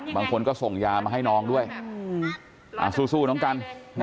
บางคนก็ส่งยามาให้น้องด้วยสู้น้องกัน